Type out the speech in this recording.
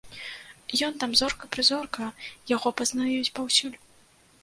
Ён там зорка-прызорка, яго пазнаюць паўсюль.